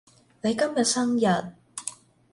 你今日生日？